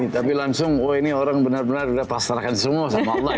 tapi langsung wah ini orang benar benar udah pasrahkan semua sama allah ya